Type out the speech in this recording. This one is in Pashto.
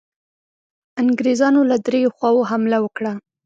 انګرېزانو له دریو خواوو حمله وکړه.